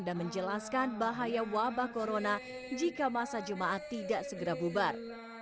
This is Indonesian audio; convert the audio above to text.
dan menjelaskan bahaya wabah corona jika masa jemaah tidak segera bubar